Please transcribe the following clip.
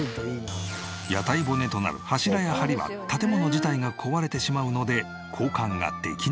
屋台骨となる柱や梁は建物自体が壊れてしまうので交換ができないが。